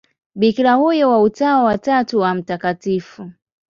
Bikira huyo wa Utawa wa Tatu wa Mt.